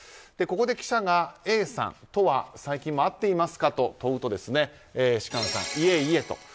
ここで記者がＡさんとは最近は会っていますかと問うと芝翫さん、いえいえと。